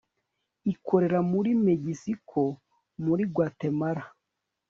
ikorera muri megiziiko, muri gwatemala